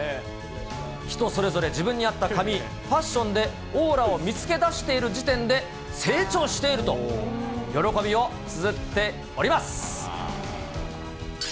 人それぞれ自分に合った髪、ファッションでオーラを見つけ出している時点で、成長していると、喜びをつづっております。